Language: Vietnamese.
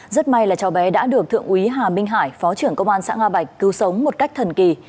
rất may là cháu bé đã được thượng úy hà minh hải phó trưởng công an xã nga bạch cứu sống một cách thần kỳ